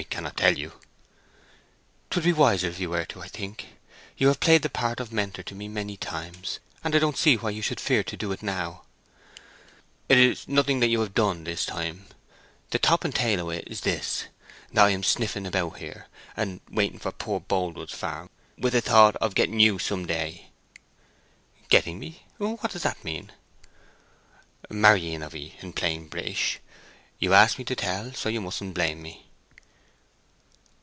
"I cannot tell you." "It would be wiser if you were to, I think. You have played the part of mentor to me many times, and I don't see why you should fear to do it now." "It is nothing that you have done, this time. The top and tail o't is this—that I am sniffing about here, and waiting for poor Boldwood's farm, with a thought of getting you some day." "Getting me! What does that mean?" "Marrying of 'ee, in plain British. You asked me to tell, so you mustn't blame me."